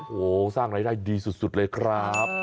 โอ้โหสร้างรายได้ดีสุดเลยครับ